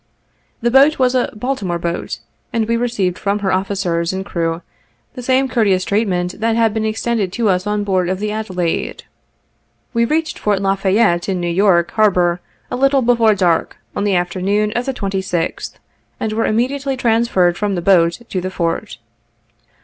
The boat was a Baltimore boat, and we received from her officers and crew the same courteous treatment that had been extended to us on board of the Adelaide. We reached Fort La Fayette, in New York harbor, a little before dark, on the afternoon of the 26th, and were immediately transferred from the boat to the Fort.